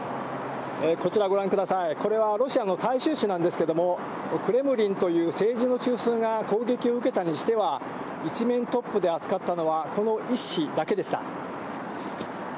こちらご覧ください、これはロシアの大衆紙なんですけれども、クレムリンという政治の中枢が攻撃を受けたにしては、１面トップで扱ったのは、この１紙だけでした。